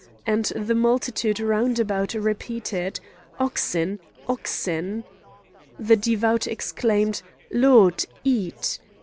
and the multitude round about repeated: "Oxen! oxen!" The devout exclaimed: "Lord! eat!"